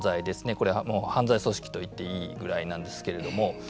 これはもう犯罪組織といっていいぐらいなんですけれども。